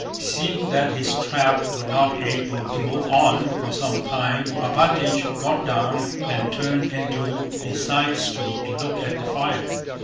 Seeing that his trap would not be able to move on for some time, Alpátych got down and turned into the side street to look at the fire.